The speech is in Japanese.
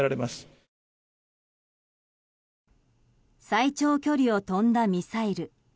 最長距離を飛んだミサイル。